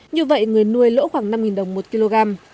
như vậy người nuôi lỗ khoảng năm đồng một kg